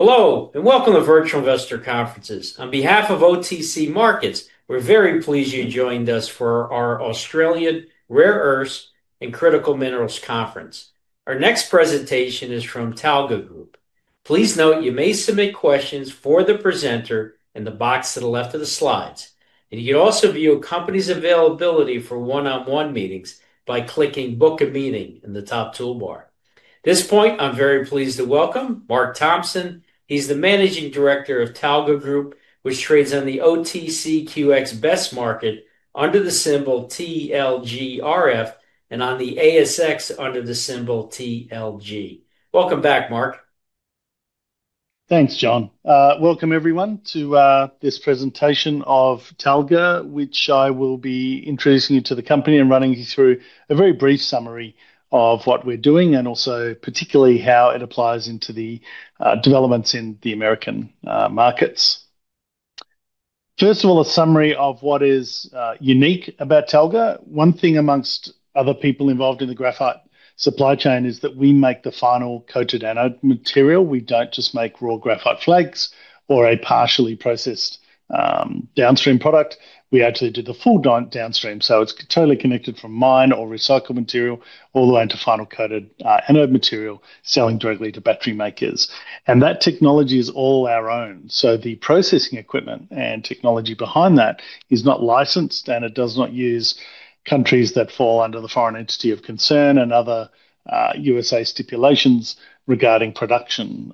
Hello, and welcome to Virtual Investor Conferences. On behalf of OTC Markets, we're very pleased you joined us for our Australian Rare earths and Critical Minerals Conference. Our next presentation is from Talga Group. Please note you may submit questions for the presenter in the box to the left of the slides. You can also view a company's availability for one-on-one meetings by clicking "Book a Meeting" in the top toolbar. At this point, I'm very pleased to welcome Mark Thompson. He's the Managing Director of Talga Group, which trades on the OTCQX Best Market under the symbol TLGRF and on the ASX under the symbol TLG. Welcome back, Mark. Thanks, John. Welcome, everyone, to this presentation of Talga, which I will be introducing you to the company and running you through a very brief summary of what we're doing and also particularly how it applies into the developments in the American markets. First of all, a summary of what is unique about Talga. One thing, amongst other people involved in the graphite supply chain, is that we make the final Coated Anode material. We don't just make raw graphite flakes or a partially processed downstream product. We actually do the full downstream. It is totally connected from mine or recycled material all the way into final Coated Anode material selling directly to battery makers. That technology is all our own. The processing equipment and technology behind that is not licensed, and it does not use countries that fall under the Foreign Entity of Concern and other USA stipulations regarding production.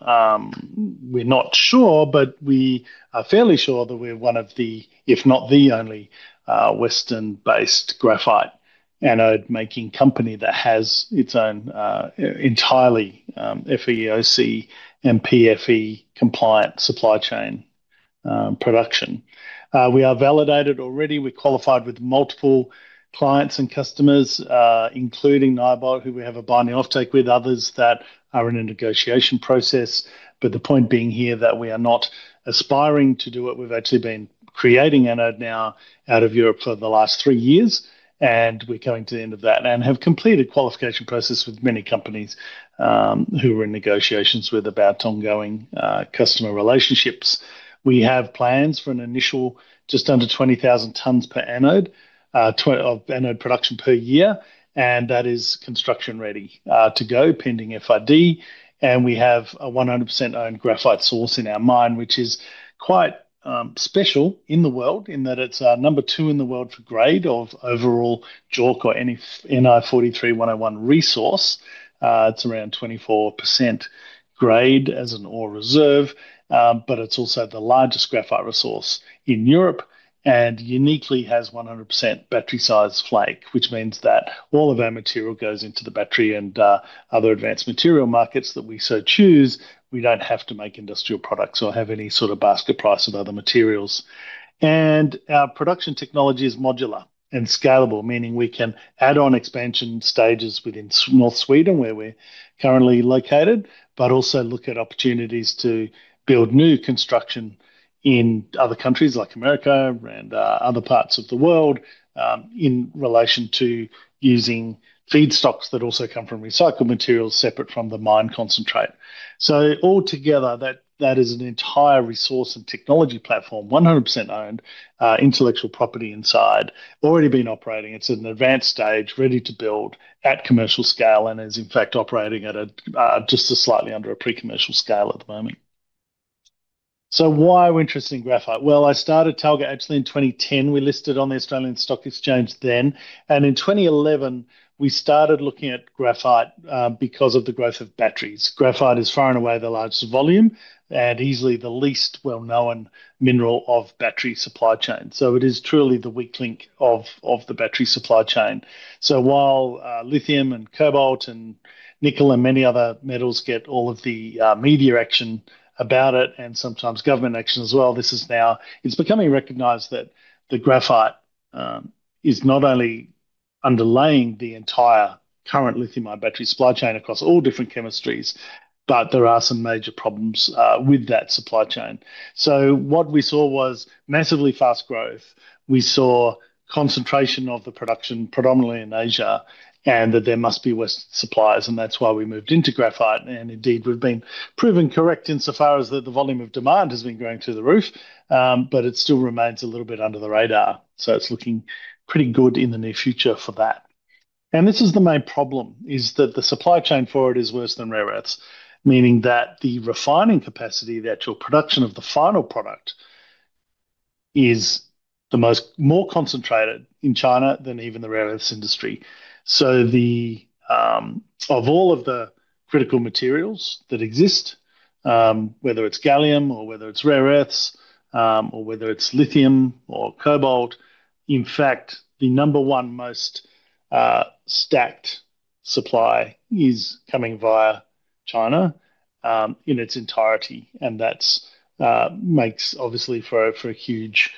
We're not sure, but we are fairly sure that we're one of the, if not the only, Western-based graphite Anode making company that has its own entirely FEOC and PFE compliant supply chain production. We are validated already. We're qualified with multiple clients and customers, including Northvolt, who we have a binding offtake with, others that are in a negotiation process. The point being here that we are not aspiring to do it. We've actually been creating Anode now out of Europe for the last three years, and we're coming to the end of that and have completed qualification process with many companies who are in negotiations with about ongoing customer relationships. We have plans for an initial just under 20,000 tons per Anode of Anode production per year, that is construction ready to go pending FID. We have a 100% owned graphite source in our mine, which is quite special in the world in that it's number two in the world for grade of overall JORC or any NI 43-101 resource. It's around 24% grade as an ore reserve, but it's also the largest graphite resource in Europe and uniquely has 100% battery size flake, which means that all of our material goes into the battery and other advanced material markets that we so choose. We don't have to make industrial products or have any sort of basket price of other materials. Our production technology is modular and scalable, meaning we can add on expansion stages within North Sweden where we're currently located, but also look at opportunities to build new construction in other countries like America and other parts of the world in relation to using feedstocks that also come from recycled materials separate from the mine concentrate. Altogether, that is an entire resource and technology platform, 100% owned, intellectual property inside, already been operating. It's at an advanced stage, ready to build at commercial scale, and is in fact operating at just slightly under a pre-commercial scale at the moment. Why are we interested in graphite? I started Talga actually in 2010. We listed on the Australian Stock Exchange then. In 2011, we started looking at graphite because of the growth of batteries. Graphite is far and away the largest volume and easily the least well-known mineral of battery supply chain. It is truly the weak link of the battery supply chain. While lithium and cobalt and nickel and many other metals get all of the media action about it and sometimes government action as well, this is now it's becoming recognized that the graphite is not only underlaying the entire current Lithium-ion battery supply chain across all different chemistries, but there are some major problems with that supply chain. What we saw was massively fast growth. We saw concentration of the production predominantly in Asia and that there must be worse supplies. That's why we moved into graphite. Indeed, we've been proven correct insofar as that the volume of demand has been going through the roof, but it still remains a little bit under the radar.It's looking pretty good in the near future for that. This is the main problem, that the supply chain for it is worse than Rare earths, meaning that the refining capacity, the actual production of the final product, is more concentrated in China than even the Rare earths industry. Of all of the critical materials that exist, whether it's gallium or whether it's Rare earths or whether it's lithium or cobalt, in fact, the number one most stacked supply is coming via China in its entirety. That makes obviously for a huge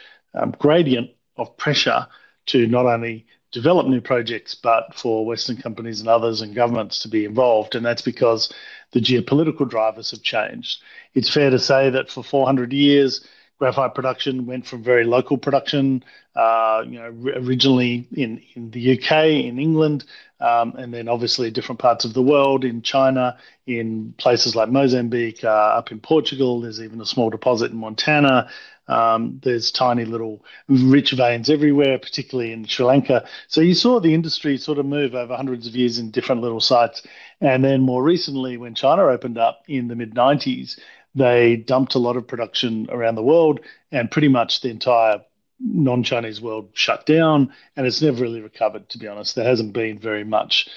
gradient of pressure to not only develop new projects, but for Western companies and others and governments to be involved. That's because the geopolitical drivers have changed.It's fair to say that for 400 years, graphite production went from very local production, originally in the U.K., in England, and then obviously different parts of the world, in China, in places like Mozambique, up in Portugal. There's even a small deposit in Montana. There's tiny little rich veins everywhere, particularly in Sri Lanka. You saw the industry sort of move over hundreds of years in different little sites. More recently, when China opened up in the mid-1990s, they dumped a lot of production around the world and pretty much the entire non-Chinese world shut down. It's never really recovered, to be honest. There hasn't been very much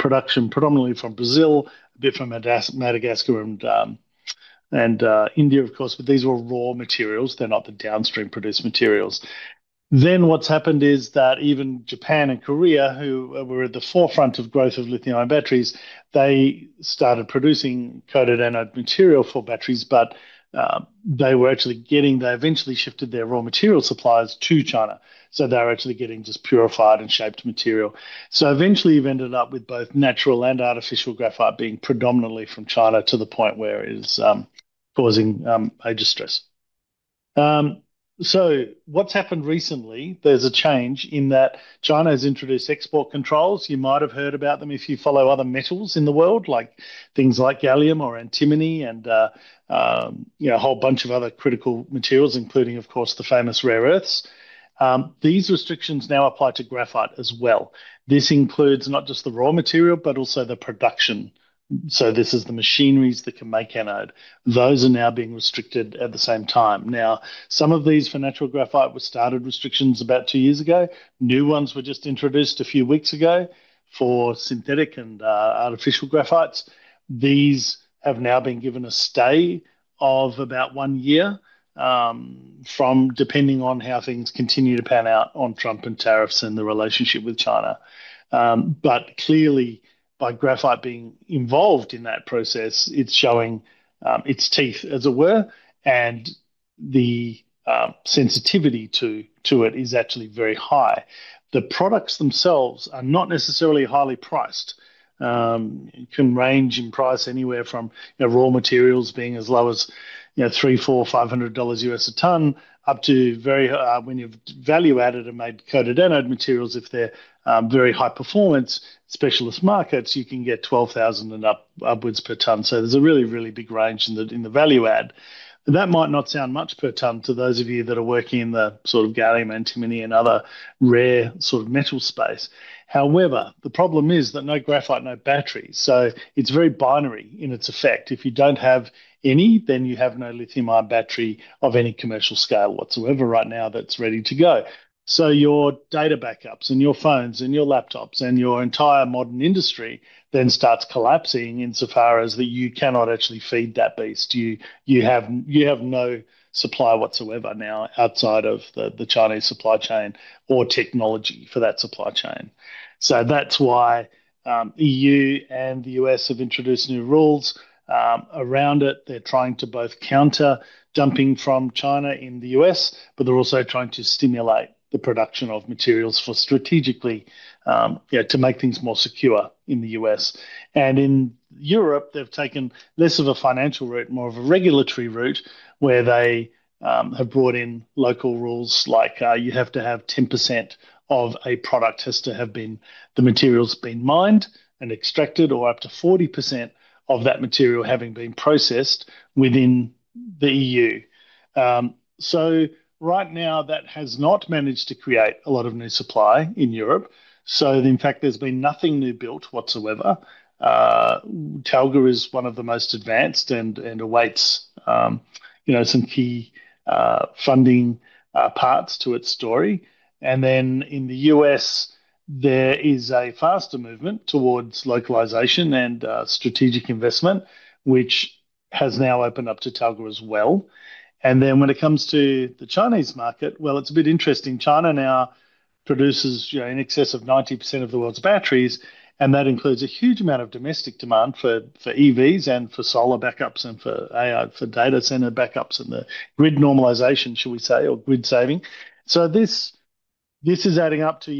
production, predominantly from Brazil, a bit from Madagascar and India, of course, but these were raw materials. They're not the downstream produced materials. What has happened is that even Japan and Korea, who were at the forefront of growth of lithium-ion batteries, they started producing Coated Anode material for batteries, but they were actually getting—they eventually shifted their raw material suppliers to China. They are actually getting just purified and shaped material. Eventually, you have ended up with both natural and artificial graphite being predominantly from China to the point where it is causing major stress. What has happened recently is a change in that China has introduced export controls. You might have heard about them if you follow other metals in the world, like things like gallium or antimony and a whole bunch of other critical materials, including, of course, the famous Rare earths. These restrictions now apply to graphite as well. This includes not just the raw material, but also the production. This is the machineries that can make Anode. Those are now being restricted at the same time. Now, some of these for natural graphite were started restrictions about two years ago. New ones were just introduced a few weeks ago for synthetic and artificial graphites. These have now been given a stay of about one year depending on how things continue to pan out on Trump and tariffs and the relationship with China. Clearly, by graphite being involved in that process, it's showing its teeth, as it were, and the sensitivity to it is actually very high. The products themselves are not necessarily highly priced.It can range in price anywhere from raw materials being as low as $300, $400, $500 a ton, up to very, when you've value-added and made Coated Anode materials, if they're very high performance specialist markets, you can get $12,000 and upwards per ton. There is a really, really big range in the value-add. That might not sound much per ton to those of you that are working in the sort of gallium, antimony, and other rare sort of metal space. However, the problem is that no graphite, no batteries. It is very binary in its effect. If you do not have any, then you have no Lithium-ion battery of any commercial scale whatsoever right now that is ready to go. Your data backups and your phones and your laptops and your entire modern industry then start collapsing and so far as that you cannot actually feed that beast. You have no supply whatsoever now outside of the Chinese supply chain or technology for that supply chain. That is why the E.U. and the U.S. have introduced new rules around it. They are trying to both counter dumping from China in the U.S., but they are also trying to stimulate the production of materials strategically to make things more secure in the U.S. In Europe, they have taken less of a financial route, more of a regulatory route, where they have brought in local rules like you have to have 10% of a product that has to have been the materials been mined and extracted or up to 40% of that material having been processed within the E.U. Right now, that has not managed to create a lot of new supply in Europe. In fact, there has been nothing new built whatsoever. Talga is one of the most advanced and awaits some key funding parts to its story. In the U.S., there is a faster movement towards localization and strategic investment, which has now opened up to Talga as well. When it comes to the Chinese market, it is a bit interesting. China now produces in excess of 90% of the world's batteries, and that includes a huge amount of domestic demand for EVs and for solar backups and for data center backups and the grid normalization, shall we say, or grid saving. This is adding up to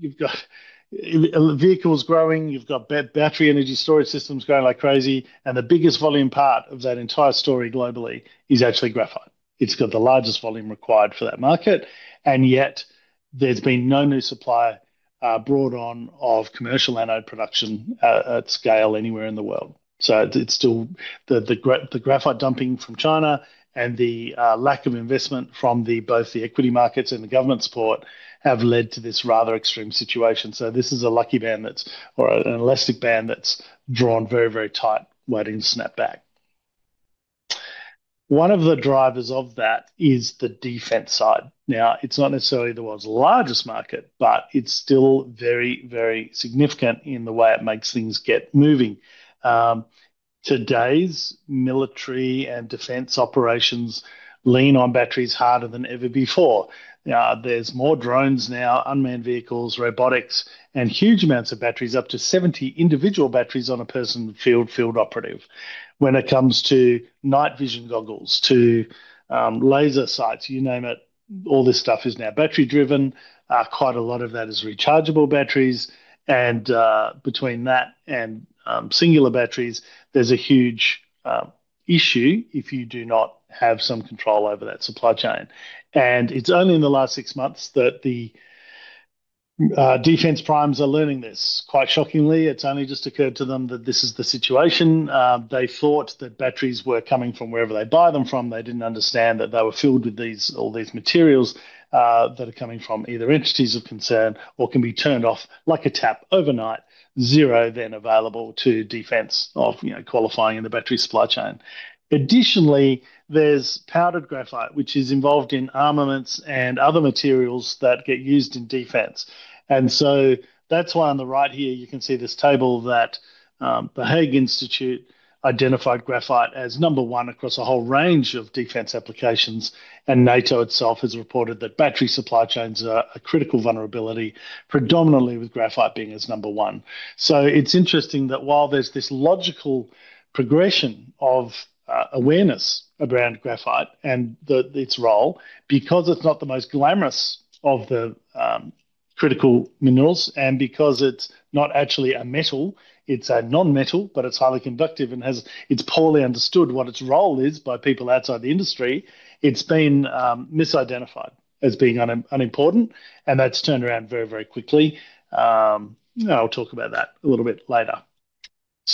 you have vehicles growing, you have battery energy storage systems going like crazy, and the biggest volume part of that entire story globally is actually graphite. It's got the largest volume required for that market, and yet there's been no new supply brought on of commercial Anode production at scale anywhere in the world. It's still the graphite dumping from China and the lack of investment from both the equity markets and the government support have led to this rather extreme situation. This is a lucky band that's or an elastic band that's drawn very, very tight waiting to snap back. One of the drivers of that is the defense side. Now, it's not necessarily the world's largest market, but it's still very, very significant in the way it makes things get moving. Today's military and defense operations lean on batteries harder than ever before. There's more drones now, unmanned vehicles, robotics, and huge amounts of batteries, up to 70 individual batteries on a person, field, field operative. When it comes to night vision goggles to laser sights, you name it, all this stuff is now battery driven. Quite a lot of that is rechargeable batteries. Between that and singular batteries, there is a huge issue if you do not have some control over that supply chain. It is only in the last six months that the defense primes are learning this. Quite shockingly, it has only just occurred to them that this is the situation. They thought that batteries were coming from wherever they buy them from. They did not understand that they were filled with all these materials that are coming from either entities of concern or can be turned off like a tap overnight, zero then available to defense of qualifying in the battery supply chain. Additionally, there is powdered graphite, which is involved in armaments and other materials that get used in defense. That's why on the right here, you can see this table that the Hague Institute identified graphite as number one across a whole range of defense applications. NATO itself has reported that battery supply chains are a critical vulnerability, predominantly with graphite being as number one. It's interesting that while there's this logical progression of awareness around graphite and its role, because it's not the most glamorous of the critical minerals and because it's not actually a metal, it's a non-metal, but it's highly conductive And it's poorly understood what its role is by people outside the industry, it's been misidentified as being unimportant, and that's turned around very, very quickly. I'll talk about that a little bit later.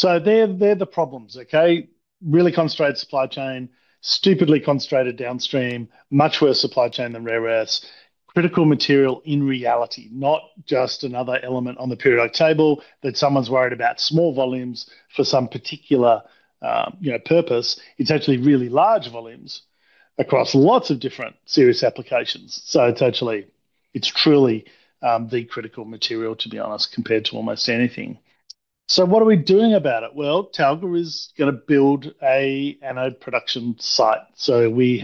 They're the problems, okay? Really concentrated supply chain, stupidly concentrated downstream, much worse supply chain than Rare earths, critical material in reality, not just another element on the periodic table that someone's worried about small volumes for some particular purpose. It's actually really large volumes across lots of different serious applications. It's actually truly the critical material, to be honest, compared to almost anything. What are we doing about it? Talga is going to build an Anode production site. We're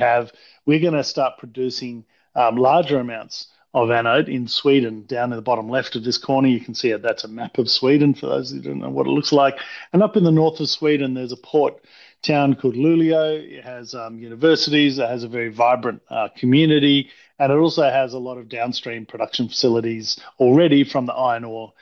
going to start producing larger amounts of Anode in Sweden. Down in the bottom left of this corner, you can see it. That's a map of Sweden for those who don't know what it looks like. Up in the north of Sweden, there's a port town called Luleå. It has universities. It has a very vibrant community.It also has a lot of downstream production facilities already from the iron ore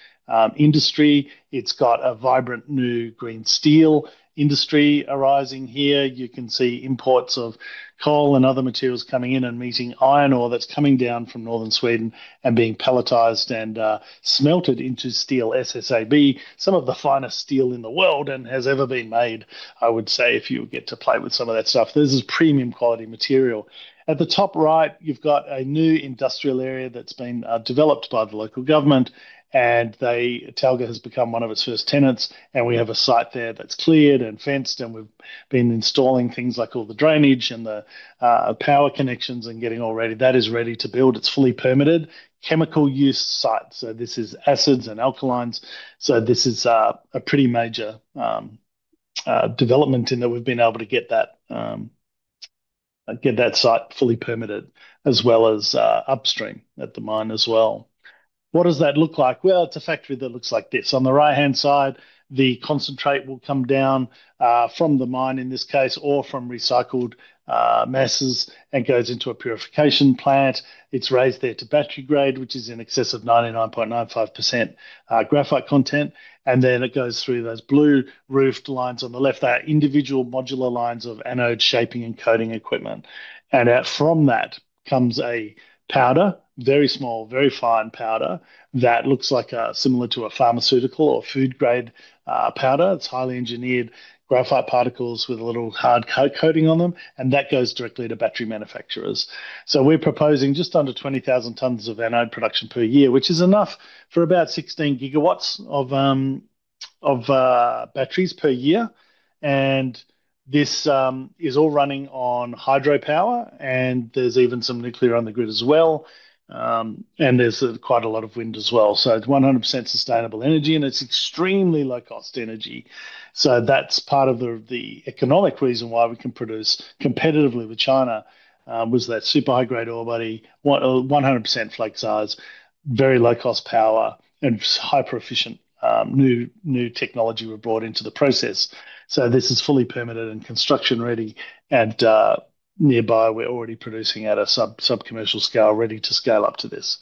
industry. It's got a vibrant new Green steel industry arising here. You can see imports of coal and other materials coming in and meeting iron ore that's coming down from northern Sweden and being pelletized and smelted into steel, SSAB, some of the finest steel in the world and has ever been made, I would say, if you get to play with some of that stuff. This is premium quality material. At the top right, you've got a new industrial area that's been developed by the local government, and Talga has become one of its first tenants. We have a site there that's cleared and fenced, and we've been installing things like all the drainage and the power connections and getting all ready. That is ready to build. It's a fully permitted chemical use site. This is acids and alkalines. This is a pretty major development in that we've been able to get that site fully permitted, as well as upstream at the mine as well. What does that look like? It is a factory that looks like this. On the right-hand side, the concentrate will come down from the mine in this case or from recycled masses and goes into a purification plant. It is raised there to battery grade, which is in excess of 99.95% graphite content. It goes through those blue roofed lines on the left. They are individual modular lines of Anode shaping and coating equipment. From that comes a powder, very small, very fine powder that looks similar to a pharmaceutical or food-grade powder. It is highly engineered graphite particles with a little hard coating on them, and that goes directly to battery manufacturers. We're proposing just under 20,000 tons of Anode production per year, which is enough for about 16 GW of batteries per year. This is all running on hydropower, and there's even some nuclear on the grid as well. There's quite a lot of wind as well. It's 100% sustainable energy, and it's extremely low-cost energy. That's part of the economic reason why we can produce competitively with China, with that super high-grade ore body, 100% flexize, very low-cost power, and hyper-efficient new technology we've brought into the process. This is fully permitted and construction ready, and nearby we're already producing at a sub-commercial scale ready to scale up to this.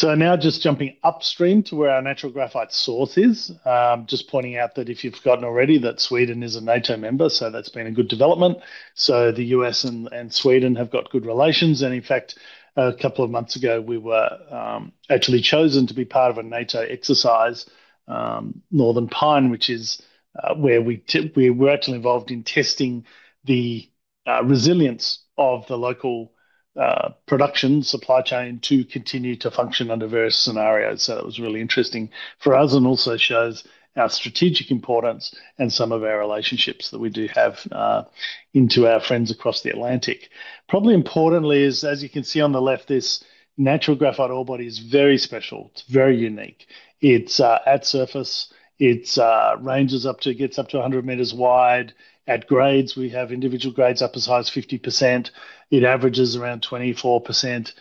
Now just jumping upstream to where our natural graphite source is, just pointing out that if you've forgotten already, Sweden is a NATO member, so that's been a good development. The U.S. and Sweden have got good relations. In fact, a couple of months ago, we were actually chosen to be part of a NATO exercise, Northern Pine, which is where we were actually involved in testing the resilience of the local production supply chain to continue to function under various scenarios. That was really interesting for us and also shows our strategic importance and some of our relationships that we do have into our friends across the Atlantic. Probably importantly is, as you can see on the left, this natural graphite ore body is very special. It's very unique. It's at surface. It gets up to 100 meters wide. At grades, we have individual grades up as high as 50%. It averages around 24%.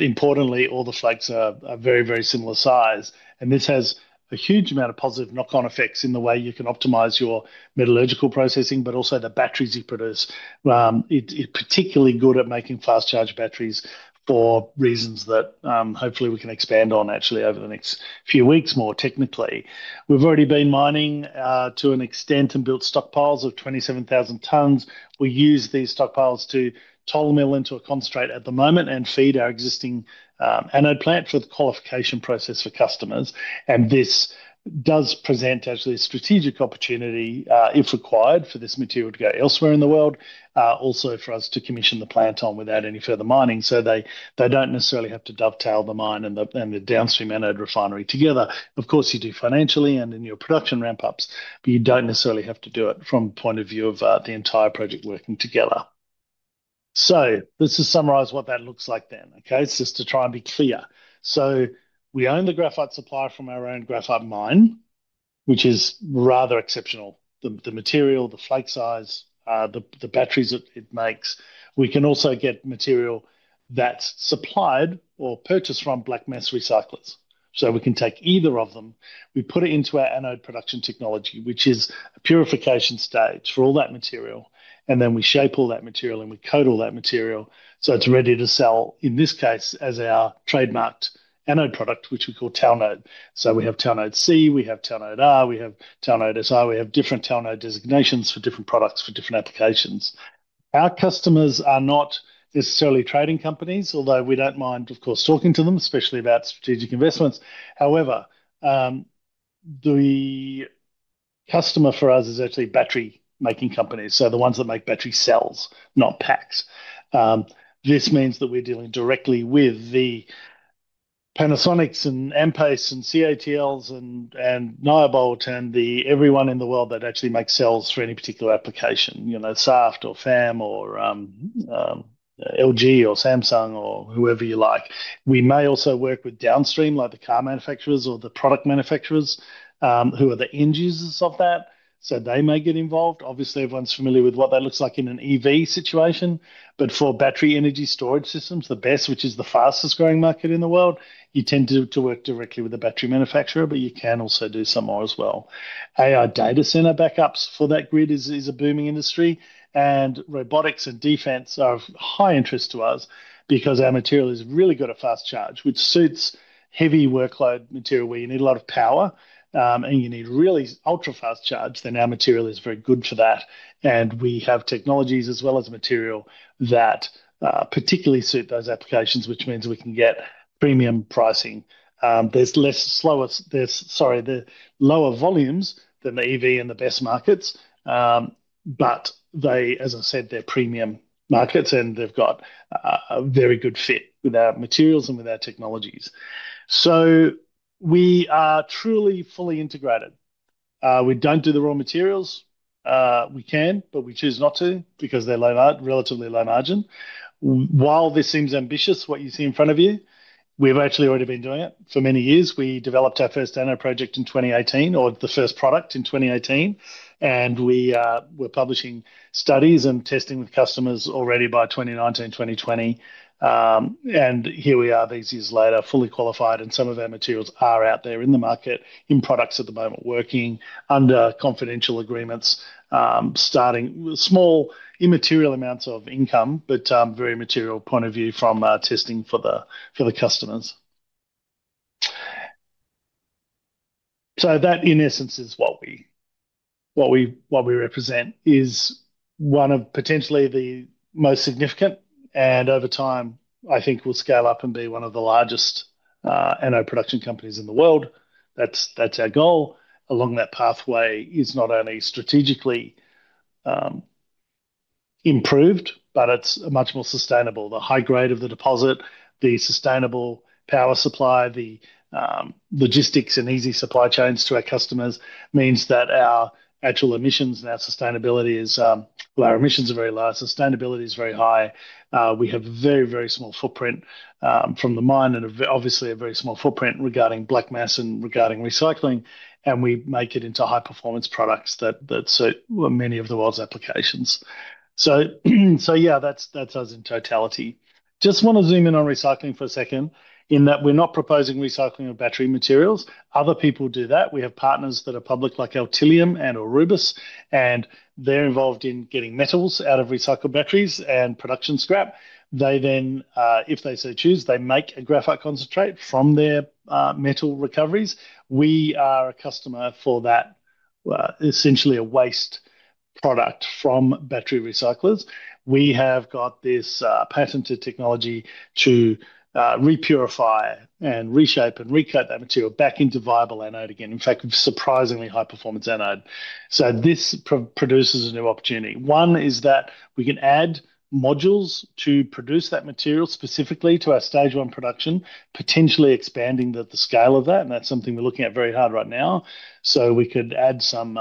Importantly, all the flakes are very, very similar size. This has a huge amount of positive knock-on effects in the way you can optimize your metallurgical processing, but also the batteries you produce. It's particularly good at making fast-charge batteries for reasons that hopefully we can expand on actually over the next few weeks more technically. We've already been mining to an extent and built stockpiles of 27,000 tons. We use these stockpiles to toll mill into a concentrate at the moment and feed our existing Anode plant for the qualification process for customers. This does present actually a strategic opportunity, if required, for this material to go elsewhere in the world, also for us to commission the plant on without any further mining. They do not necessarily have to dovetail the mine and the downstream Anode refinery together. Of course, you do financially and in your production ramp-ups, but you don't necessarily have to do it from the point of view of the entire project working together. Let's just summarize what that looks like then, okay? It's just to try and be clear. We own the graphite supply from our own graphite mine, which is rather exceptional. The material, the flake size, the batteries it makes. We can also get material that's supplied or purchased from Black mass recyclers. We can take either of them. We put it into our Anode production technology, which is a purification stage for all that material. Then we shape all that material and we coat all that material so it's ready to sell, in this case, as our trademarked Anode product, which we call Talga Mode.We have Talga Mode C, we have Talga Mode R, we have Talga Mode SI. We have different Talga Mode designations for different products for different applications. Our customers are not necessarily trading companies, although we do not mind, of course, talking to them, especially about strategic investments. However, the customer for us is actually battery-making companies, so the ones that make battery cells, not packs. This means that we are dealing directly with the Panasonics and ATL and CATLs and Nyobolt and everyone in the world that actually makes cells for any particular application, Saft or Fam or LG or Samsung or whoever you like. We may also work with downstream, like the car manufacturers or the product manufacturers who are the end users of that. They may get involved. Obviously, everyone's familiar with what that looks like in an EV situation. For Battery energy storage systems, the best, which is the fastest growing market in the world, you tend to work directly with the battery manufacturer, but you can also do some more as well. Our data center backups for that grid is a booming industry. Robotics and defense are of high interest to us because our material is really good at fast charge, Which suits heavy workload material. When you need a lot of power and you need really ultra-fast charge, our material is very good for that. We have technologies as well as material that particularly suit those applications, which means we can get premium pricing. There is lower volumes than the EV and the best markets, but as I said, they are premium markets, and they have got a very good fit with our materials and with our technologies. We are truly fully integrated. We do not do the raw materials. We can, but we choose not to because they are relatively low margin. While this seems ambitious, what you see in front of you, we have actually already been doing it for many years. We developed our first Anode project in 2018 or the first product in 2018. We were publishing studies and testing with customers already by 2019, 2020. Here we are these years later, fully qualified, and some of our materials are out there in the market, in products at the moment, working under confidential agreements, starting with small immaterial amounts of income, but very material point of view from testing for the customers. That, in essence, is what we represent, is one of potentially the most significant. Over time, I think we'll scale up and be one of the largest Anode production companies in the world. That's our goal. Along that pathway, it is not only strategically improved, but it is much more sustainable. The high grade of the deposit, the sustainable power supply, the logistics, and easy supply chains to our customers mean that our actual emissions and our sustainability is our emissions are very low, sustainability is very high. We have a very, very small footprint from the mine and obviously a very small footprint regarding Black mass and regarding recycling. We make it into high-performance products that suit many of the world's applications. Yeah, that's us in totality. I just want to zoom in on recycling for a second in that we're not proposing recycling of battery materials. Other people do that. We have partners that are public like Altilium and Aurubis, and they're involved in getting metals out of recycled batteries and production scrap. They then, if they so choose, they make a graphite concentrate from their metal recoveries. We are a customer for that, essentially a waste product from battery recyclers. We have got this patented technology to repurify and reshape and recut that material back into viable Anode again. In fact, surprisingly high-performance Anode. This produces a new opportunity. One is that we can add modules to produce that material specifically to our stage one production, potentially expanding the scale of that. That is something we're looking at very hard right now. We could add some,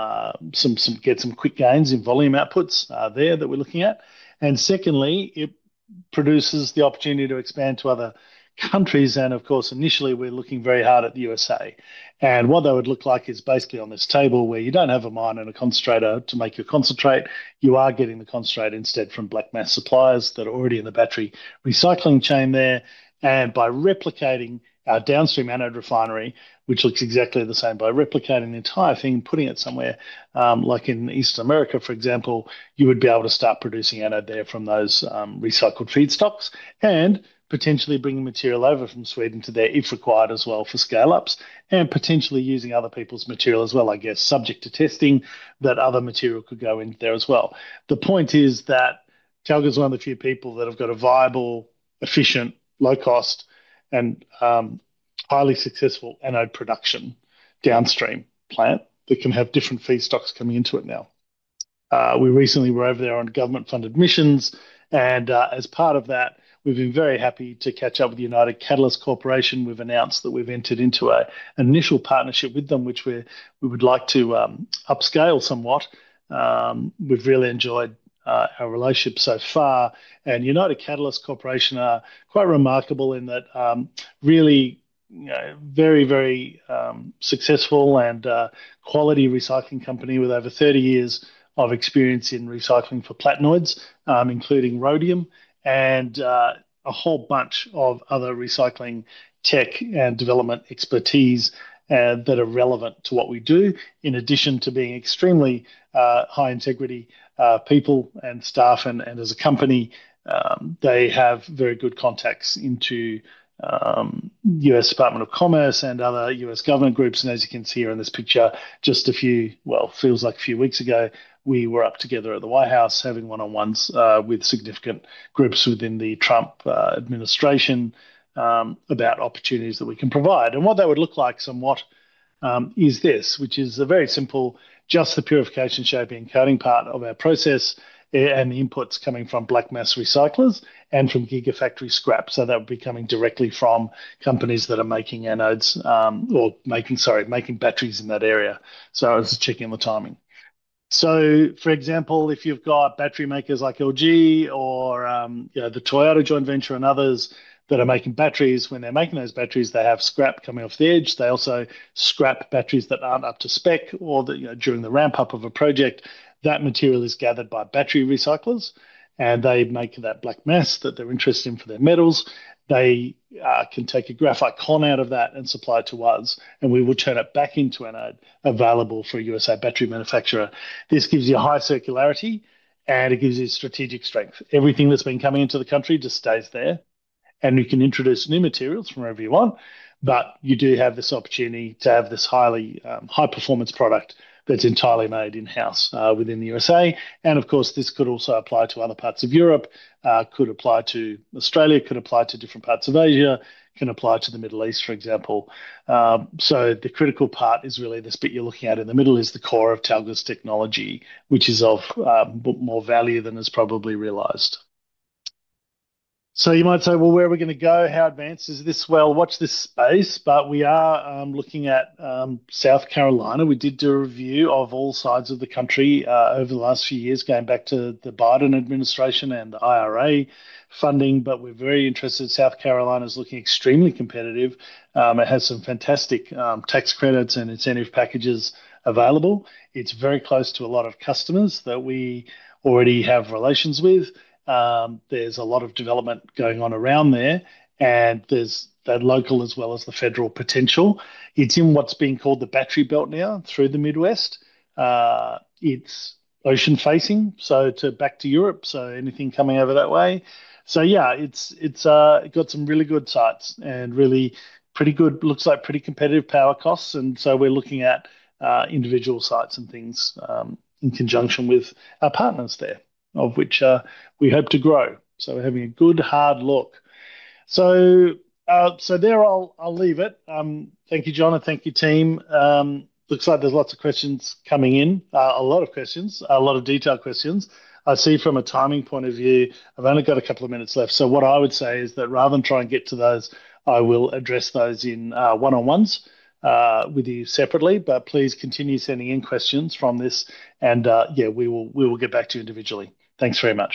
get some quick gains in volume outputs there that we're looking at. Secondly, it produces the opportunity to expand to other countries. Of course, initially, we're looking very hard at the USA. What that would look like is basically on this table where you don't have a mine and a concentrator to make your concentrate. You are getting the concentrate instead from Black mass suppliers that are already in the battery recycling chain there. By replicating our downstream Anode refinery, which looks exactly the same, by replicating the entire thing and putting it somewhere like in East America, for example, you would be able to start producing Anode There from those recycled feedstocks and potentially bringing material over from Sweden to there, if required as well, for scale-ups and potentially using other people's material as well, I guess, subject to testing that other material could go in there as well. The point is that Talga is one of the few people that have got a viable, efficient, low-cost, and highly successful Anode production downstream plant that can have different feedstocks coming into it now. We recently were over there on government-funded missions. As part of that, we've been very happy to catch up with United Catalyst Corporation. We've announced that we've entered into an initial partnership with them, which we would like to upscale somewhat. We've really enjoyed our relationship so far. United Catalyst Corporation are quite remarkable in that really very, very successful and quality recycling company with over 30 years of experience in recycling for platinoids, including rhodium, and a whole bunch of other recycling tech and development expertise that are relevant to what we do.In addition to being extremely high-integrity people and staff and as a company, they have very good contacts into the U.S. Department of Commerce and other U.S. government groups. As you can see here in this picture, just a few, feels like a few weeks ago, we were up together at the White House having one-on-ones with significant groups within the Trump administration about opportunities that we can provide. What that would look like somewhat is this, which is a very simple, just the purification, shaping, and coating part of our process and the inputs coming from Black mass recyclers and from Gigafactory scrap. That would be coming directly from companies that are making Anodes or making, sorry, making batteries in that area. I was checking the timing. For example, if you've got battery makers like LG or the Toyota joint venture and others that are making batteries, when they're making those batteries, they have scrap coming off the edge. They also scrap batteries that aren't up to spec or during the ramp-up of a project. That material is gathered by battery recyclers, and they make that black mass that they're interested in for their metals. They can take a graphite cone out of that and supply it to us, and we will turn it back into Anode available for a USA battery manufacturer. This gives you high circularity, and it gives you strategic strength. Everything that's been coming into the country just stays there, and you can introduce new materials from wherever you want, but you do have this opportunity to have this highly high-performance product that's entirely made in-house within the USA. Of course, this could also apply to other parts of Europe, could apply to Australia, could apply to different parts of Asia, can apply to the Middle East, for example. The critical part is really this bit you're looking at in the middle is the core of Talga's technology, which is of more value than is probably realized. You might say, "Well, where are we going to go? How advanced is this?" Watch this space, but we are looking at South Carolina. We did do a review of all sides of the country over the last few years, going back to the Biden administration and the IRA funding, but we're very interested. South Carolina is looking extremely competitive. It has some fantastic tax credits and incentive packages available. It's very close to a lot of customers that we already have relations with. There's a lot of development going on around there, and there's that local as well as the federal potential. It's in what's being called the battery belt now through the Midwest. It's ocean-facing, so back to Europe, so anything coming over that way. Yeah, it's got some really good sites and really pretty good, looks like pretty competitive power costs. We're looking at individual sites and things in conjunction with our partners there, of which we hope to grow. We're having a good hard look. There, I'll leave it. Thank you, John, and thank you, team. Looks like there's lots of questions coming in, a lot of questions, a lot of detailed questions. I see from a timing point of view, I've only got a couple of minutes left. What I would say is that rather than try and get to those, I will address those in one-on-ones with you separately. Please continue sending in questions from this, and yeah, we will get back to you individually. Thanks very much.